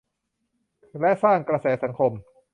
และสร้างกระแสสังคม